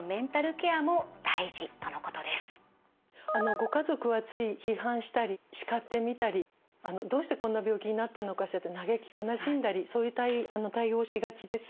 ご家族はつい批判したり叱ってみたりどうしてこんな病気になったのかしらと嘆き悲しんだりそういう対応をしがちです。